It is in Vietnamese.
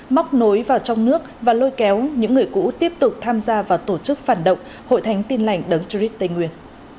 móc nối vào trong nước và lôi kéo những người cũ tiếp tục tham gia vào tổ chức phản động hội thánh tin lành đấng trích tây nguyên